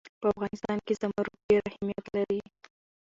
په افغانستان کې زمرد ډېر اهمیت لري.